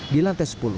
di lantai sepuluh